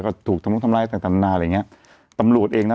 ก็ถูกทะมุกทำร้ายต่างนานาอะไรอย่างเงี้ยตำรวจเองนะ